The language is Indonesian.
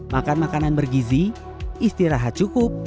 makan makanan bergizi istirahat cukup